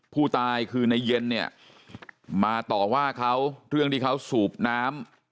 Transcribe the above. ผู้ตายคือในเย็นเนี่ยมาต่อว่าเขาเรื่องที่เขาสูบน้ำ